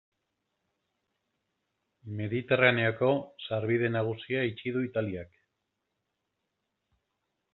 Mediterraneoko sarbide nagusia itxi du Italiak.